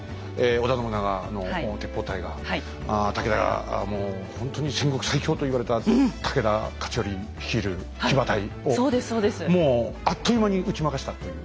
織田信長の鉄砲隊が武田もうほんとに戦国最強と言われた武田勝頼率いる騎馬隊をもうあっという間に打ち負かしたという。